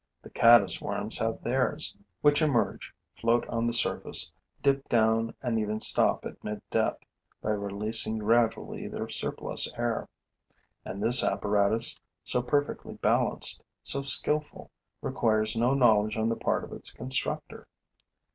The caddis worms have theirs, which emerge, float on the surface, dip down and even stop at mid depth by releasing gradually their surplus air. And this apparatus, so perfectly balanced, so skilful, requires no knowledge on the part of its constructor.